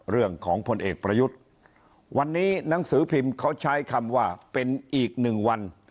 พลเอกประยุทธ์วันนี้หนังสือพิมพ์เขาใช้คำว่าเป็นอีกหนึ่งวัน